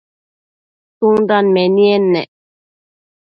tsundan menied ne?